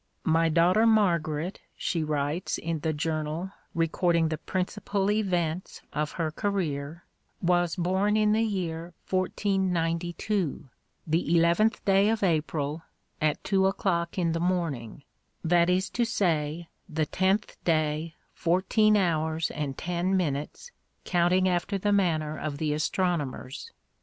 "My daughter Margaret," she writes in the journal recording the principal events of her career, "was born in the year 1492, the eleventh day of April, at two o'clock in the morning; that is to say, the tenth day, fourteen hours and ten minutes, counting after the manner of the astronomers."